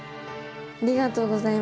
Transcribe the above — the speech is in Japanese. ありがとうございます。